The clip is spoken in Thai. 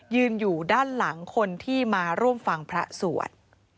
ยืนอยู่ด้านหลังคนที่มาร่วมฟังพระสวด